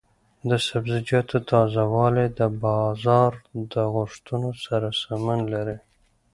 د سبزیجاتو تازه والي د بازار د غوښتنو سره سمون لري.